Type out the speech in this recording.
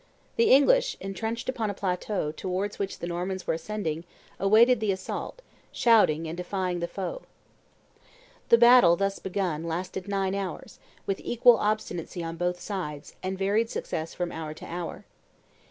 The English, intrenched upon a plateau towards which the Normans were ascending, awaited the assault, shouting, and defying the foe. The battle, thus begun, lasted nine hours, with equal obstinacy on both sides, and varied success from hour to hour.